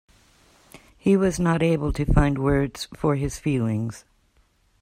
He was not able to find words for his feelings.